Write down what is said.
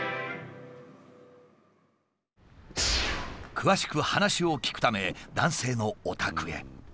詳しく話を聞くため男性のお宅へ。